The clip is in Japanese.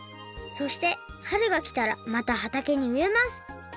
そしてはるがきたらまたはたけにうえます。